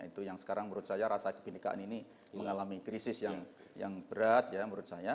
itu yang sekarang menurut saya rasa kebenekaan ini mengalami krisis yang berat ya menurut saya